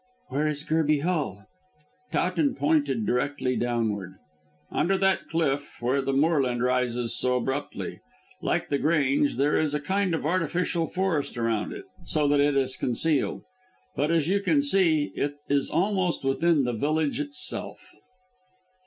"Where is Gerby Hall?" Towton pointed directly downward. "Under that cliff, where the moorland rises so abruptly. Like The Grange, there is a kind of artificial forest round it, so that it is concealed. But, as you can see, it is almost within the village itself."